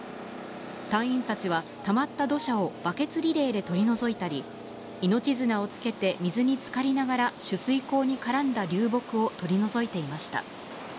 隊員たちは、たまった土砂をバケツリレーで取り除いたり、命綱をつけて水につかりながら、取水口に絡んだ流木を取り除いていました。